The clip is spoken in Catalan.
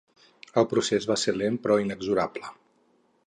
El procés va ser lent però inexorable.